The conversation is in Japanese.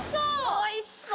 おいしそう！